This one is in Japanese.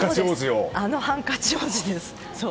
あのハンカチ王子です。